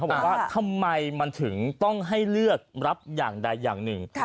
บอกว่าทำไมมันถึงต้องให้เลือกรับอย่างใดอย่างหนึ่ง